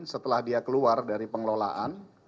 setelah dia keluar dari pengelolaan